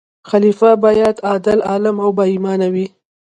خلیفه باید عادل، عالم او با ایمان وي.